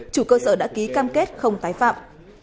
chủ cơ sở đã ký cam kết không tái phạm